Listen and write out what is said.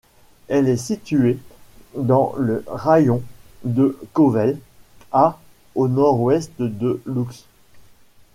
Elle est située dans le raïon de Kovel, à au nord-ouest de Loutsk.